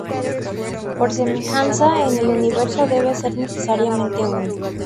Por semejanza, en el universo debe ser necesariamente uno.